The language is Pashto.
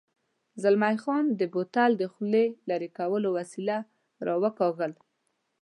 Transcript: زلمی خان د بوتل د خولې لرې کولو وسیله را وکاږل.